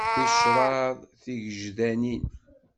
Ticraḍ tigejdanin.